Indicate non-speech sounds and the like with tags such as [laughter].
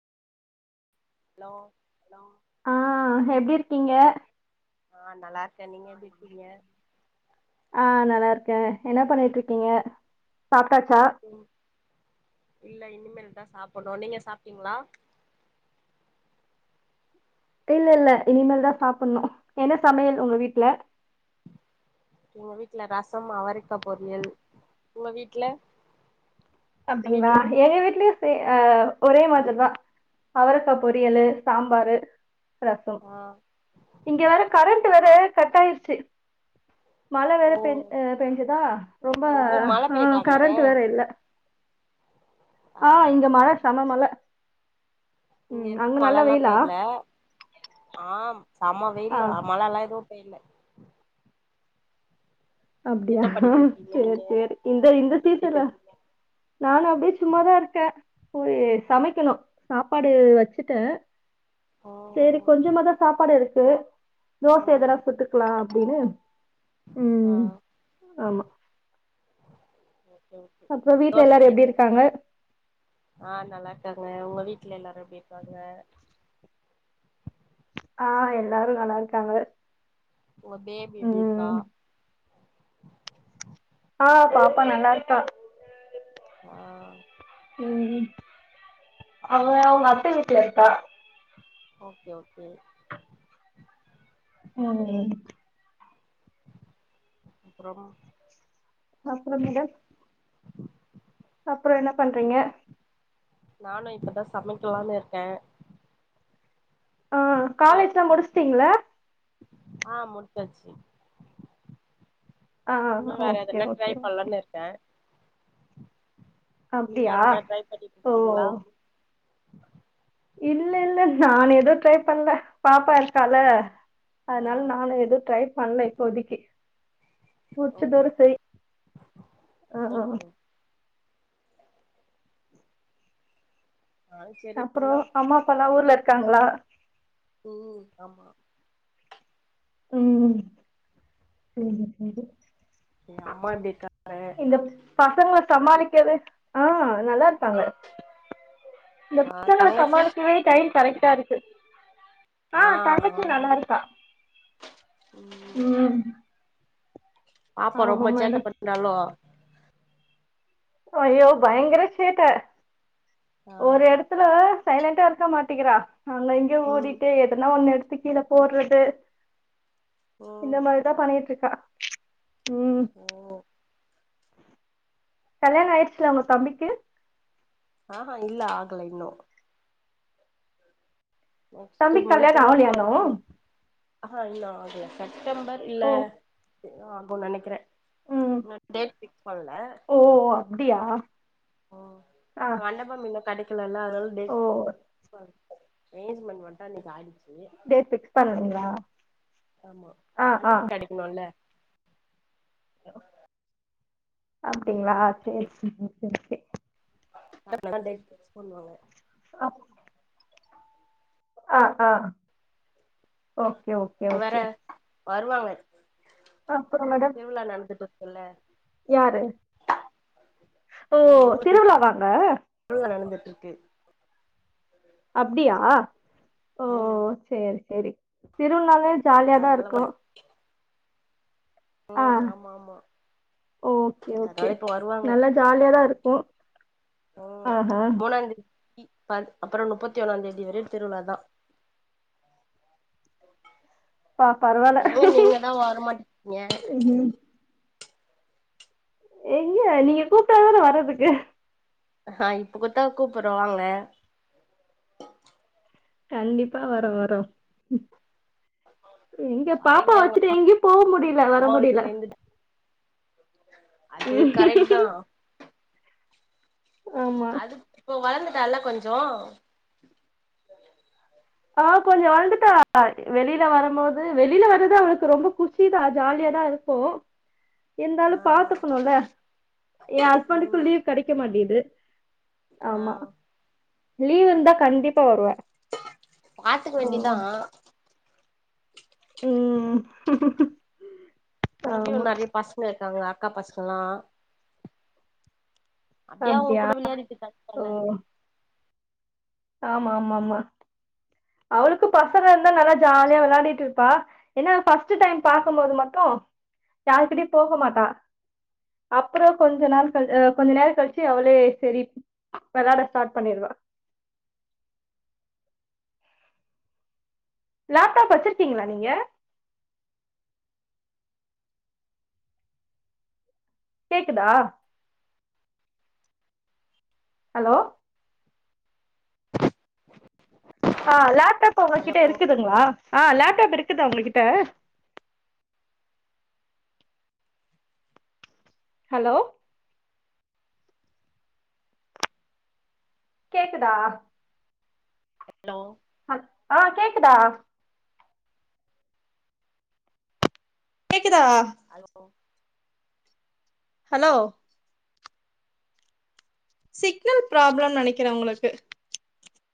hello ஆ எப்டி இருக்கீங்க ஆ நல்லா இருக்க நீங்க எப்டிருகீங்க ஆ நல்லாருக்கே என்ன பண்ணிட்டுருக்கீங்க சாப்டாச்சா ஓ இல்ல இனிமேல் தா சாப்பன்னு நீங்க சாப்டீங்களா இல்லல்ல இனிமேல் தா சாப்பன்னு என்ன சமையல் உங்க வீட்ல எங்க வீட்ல ரசம் அவரைக்கா பொரியல் ஒங்க வீட்ல அப்டிங்களா எங்க வீட்லயு சே அ ஒரே மாதிர் தா அவரக்கா பொரியலு சாம்பாரு ரசொ ஆ இங்க வேற கரண்ட் வேற கட் ஆய்றுச்சு மழ வேற ஓ பேஞ் பேஞ்சதா ரொம்ப ஓ மழ அ பெய்தாங்க கரண்ட் வேற இல்ல ஆ இங்க மழ செம்ம மழ இங்க எதுவு மழல்லா பெய்ல ஆ சம ஆ வெயிலு மழல்லா எதுவு பெய்ல அப்டியா என்ன பண்ணிட்டு இருக்கீங்க சேரி நீங்க சேரி இந்த இந்த சீசன்ல நானு அப்டே சும்மாதா இருக்க போயி சமைக்கணு சாப்பாடு வெச்சிட்ட சேரி ம் கொஞ்சமாதா சாப்பாடு இருக்கு தோச ம் எதனா சுட்டுக்கலா அப்டின்னு ஆ ம் ஆமா ஓகே ஓகே அப்றோ வீட்ல எல்லாரு எப்டி இருக்காங்க ஆ‌ நல்லா இருக்காங்க உங்க வீட்ல எல்லாரு எப்டி இருக்காங்க ஆ எல்லாரு நல்லா இருக்காங்க உங்க பேபி எப்படி இருக்கா ம் ஆ பாப்பா நல்லா இருக்கா ஆ ம் ம் அவ அவுங்க அத்த வீட்ல இருக்கா ஓகே ஓகே ம் அப்றோம் அப்புறோ மேடம் அப்புறோ என்ன பண்றீங்க நானு‌ இப்பதா சமைக்கலான்னு இருக்க ஆ தோச காலேஜ்லா செய்னு முடிச்சுட்டீங்களா ஆ முடிச்சாச்சு ஆ இன்னு வேற ஓகே எதுனா ஓகே ட்ரை ஓகே பண்லான்னு இருக்க நீங்க அப்டியா எதனா ட்ரை பண்ணிட்டு ஓ இருக்கீங்களா இல்ல இல்ல நான் எது ட்ரை பண்ணல பாப்பா இருக்கால ஆ அதுனால நானு எது ட்ரை பண்ணல இப்போதைக்கு ஓகே முடிச்சதோட செரி அ ஹ ஆ ஓகே நானு சரி அப்புறோ இவங்களா அம்மா அப்பாலா ஊர்ல இருக்காங்களா ம் ஆமா உம் சேரி சேரி கே அம்மா எப்டி இருக்காங்க இந்த பசங்கள சமாளிக்கவே ஆ நல்லா இருக்காங்க இந்த ஆ பசங்கள தங்கச்சி சமாளிக்கவே டைம் கரெக்டா இருக்கு ஆ தங்கச்சி ஆமா நல்லா இருக்கா ம் பாப்பா ரொம்ப சேட்ட மேடம் பண்றாளோ ஜயோ பயங்கர சேட்ட ஆ ஒரு எடத் துல சைலண்ட்டா இருக்க மாட்டேக்கிறா அங்க இங்க ம் ஓடிட்டு எதுனா ஒன்னு எடுத்து கீழ போடுறது இந்த ம் மாரி தா பண்ணிட்டு இருக்கா ம் ஓ கல்யாண ஆயிடுச்சுல உங்க தம்பிக்கு ஆஹா இல்ல ஆகல இன்னும் நெக்ஸ்ட் தம்பிக்கு கல்யாணோ மந்த்ல ஆவலையா இன்னு [unintelligible] அஹ்ஹ இல்ல ஆகல செப்டம்பர் இல்ல ஓ இன்னு ஆகுனு நினைக்கிறேன் ம் இன்னு டேட் ஃபிக்ஸ் பண்ல ஓ ஓ அப்டியா ஓ ஆ உன்‌அண்ணப் கன்ஃபாம் இன்னு கிடைக்கலல்ல அதனால ஓ டேட் என்கேஜ்மண்ட் மட்டும் அன்னிக்கு ஆடுச்சு டேட் ஃபிக்ஸ் பண்ணுவிங்களா ஆமா மண்டபம் கிடைக்கணும்ல [inaudible] அப்டிங்களா சேர் சேர் சேர் சேர் அப்பா வந்தாதா டேட் ஃபிக்ஸ் பன்னுவாங்க அப் ஆ ஆ ஓகே ஓகே இப்ப வேற ஓகே வருவாங்க அப்பறோ மேடம் திருவிழா நடந்துட்டு இருக்குல்ல யாரு ஓ எங்க ஊர் திருவிழாவா அங்க திருவிழா நடந்துட்டு இருக்கு அப்டியா ஆ சேர் சேரி திருவிழாலே ஜாலியாதா அதனால வ இருக்கும் ஓ ஆ ஆமா ஆமா ஓகே அதா ஓகே இப்ப வருவாங்க நல்லா ஜாலியாதா இருக்கு ஓ ஆஹா மூன்னாந் தேதி அப்பறோ முப்பத்தி ஒன்னாம் தேதி வர திருவிழாதான் பா பரவா ஏங்க நீங்க தா வர மாட்டிக்கீங்க ம் எங்க நீங்க கூப்டாதான வர்றதுக்கு ஆஹ இப்பகூட்த்தா கூப்புடுறே வாங்க கண்டிப்பா வரோ வரோ எங்க பாப்பா வரீங்க உங்க வச்சுட்டு எங்கயு போக முடில வர அம்மா முடில வீட்ல இருந்து அது ம் கரெக்ட் தா ஆமா அது இப்போ வளந்துட்டால்ல கொஞ்சோ ஆ கொஞ்சோ வளந்துட்டா வெளில வரம்போது வெளில வரது அவளுக்கு ரொம்ப பு குஷிதா ஜாலியாதா இருக்கோ ஆ இருந்தாலு பாத்துக்கணும்ல ஏ ஹஸ்பண்ட்க்கும் ம் லீவ் கெடைக்க மாட்டிது ஆ ஆமா லீவ் இருந்தா கண்டிப்பா வருவ பாத்துக்க வேண்டிதா ம் இங்கயு ஆமா நறையா பசங்க இருக்காங்க அக்கா பசங்கல்லா அப்டே அவுங்க அப்டியா கூட விளையாடிட்டு ஓ கெடப்பால்ல ஆமா ஆம்மாம்மா அவளுக்கும் பசங்க இருந்தா நல்லா ஜாலியா விளையாடிட்டு இருப்பா என்ன ஃபஸ்ட்டு டைம் பாக்கும்போது மட்டு யார்க்கிட்யு போக மாட்டா அப்புறோ கொஞ்ச நாள் கழ் அ கொஞ்ச நேர கழ்ச்சு அவளே செரி வெளாட ஸ்டாட் பண்ணிர்வா லேப்டாப் வச்சுர்கீங்குளா நீங்க கேக்குதா ஹலோ ஆ லேப்டாப் ஹலோ உங்ககிட்ட இருக்குதுங்களா ஆ லேப்டாப் இருக்குதா உங்ககிட்ட ஹலோ கேக்குதா ஹலோ அ ஆ கேக்குதா கேக்குதா ஹலோ ஹலோ சிக்னல் ப்ராப்ளோ நெனைக்கிற உங்ளுக்கு